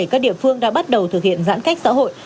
các địa phương đã bắt đầu thực hiện giãn cách xã hội